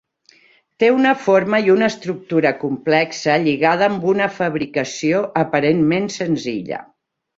Té una forma i una estructura complexa lligada amb una fabricació aparentment senzilla.